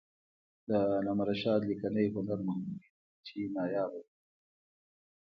د علامه رشاد لیکنی هنر مهم دی ځکه چې نایابه دی.